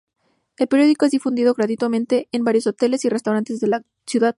El periódico es difundido gratuitamente en varios hoteles y restaurantes de la ciudad.